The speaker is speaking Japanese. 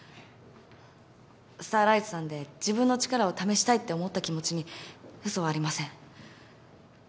スターライツさんで自分の力を試したいって思った気持ちに嘘はありません。